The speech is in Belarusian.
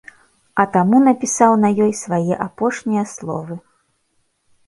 А таму напісаў на ёй свае апошнія словы.